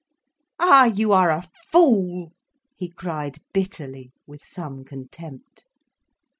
"Ah, you are a fool," he cried, bitterly, with some contempt.